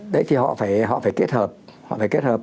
đấy thì họ phải kết hợp